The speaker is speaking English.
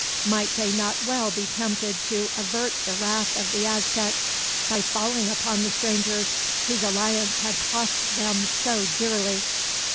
Might they not well be tempted to avert the wrath of the Aztecs, by falling upon the strangers, whose alliance had cost them so dearly?